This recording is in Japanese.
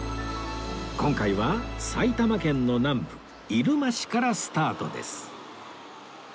今回は埼玉県の南部入間市からスタートです